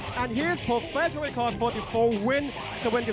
และนี่คืออัมเภอรัตนาวาปีจังหวัดนองคาย